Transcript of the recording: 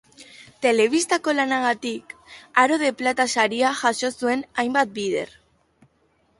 Telebistako lanagatik Aro de Plata saria jaso zuen hainbat bider.